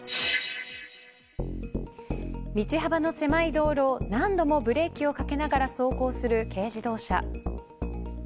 道幅の狭い道路を何度もブレーキをかけながら走行する軽自動車。